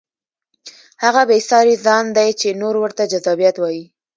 هغه بې ساري ځان دی چې نور ورته جذابیت وایي.